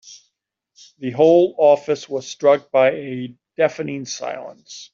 The whole office was struck by a deafening silence.